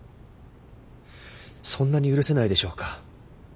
そんなに許せないでしょうか？